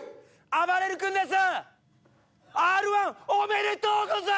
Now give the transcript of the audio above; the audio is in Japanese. あばれる君です！